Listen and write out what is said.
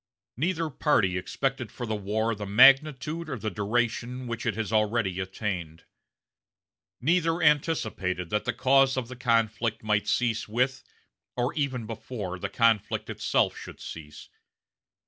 Neither party expected for the war the magnitude or the duration which it has already attained. Neither anticipated that the cause of the conflict might cease with, or even before, the conflict itself should cease.